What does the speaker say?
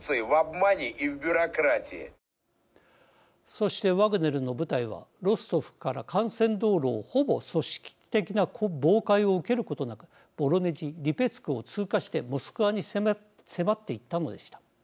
そして、ワグネルの部隊はロストフから幹線道路をほぼ組織的な妨害を受けることなくボロネジ、リペツクを通過してモスクワに迫っていったのでした。